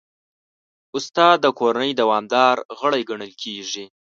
استاد د کورنۍ دوامدار غړی ګڼل کېږي.